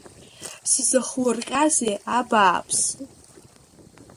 Сзыхурҟьази, абааԥсы!